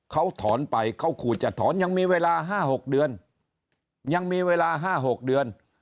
เขาถอนไปเขาขู่จะถอนยังมีเวลา๕๖เดือนยังมีเวลา๕๖เดือน